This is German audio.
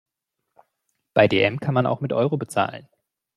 Bei dm kann man auch mit Euro bezahlen.